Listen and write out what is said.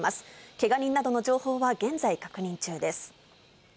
けが人などの情報は現在、確認中です。